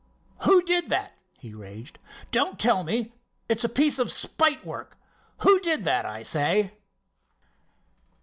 "Who did that?" he raged. "Don't tell me—it's a piece of spite work! Who did that, I say?"